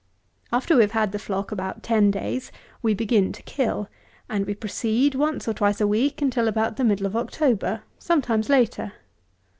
After we have had the flock about ten days, we begin to kill, and we proceed once or twice a week till about the middle of October, sometimes later.